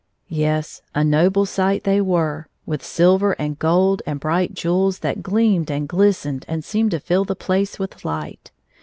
Yes ; a noble sight they were, with silver and gold and bright jewels that gleamed and ghstened and seemed to fill the place with light.